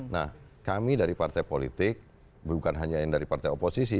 nah kami dari partai politik bukan hanya yang dari partai oposisi